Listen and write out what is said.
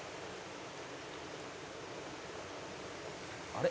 「あれ？」